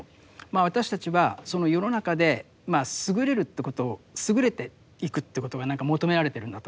私たちはその世の中で優れるということを優れていくということが何か求められてるんだと思うんです。